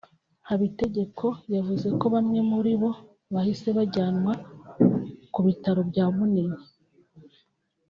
Habitegeko yavuze ko bamwe muri bo bahise bajyanwa ku bitaro bya Munini